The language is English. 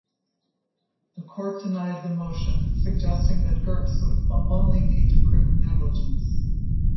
The court denied the motion, suggesting that Gertz would only need to prove negligence.